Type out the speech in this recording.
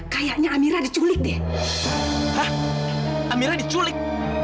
kayaknya amira diculik deh amira diculik